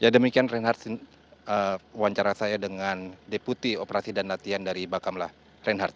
jadi demikian reinhardt wawancara saya dengan deputi operasi dan latihan dari baka mlah reinhardt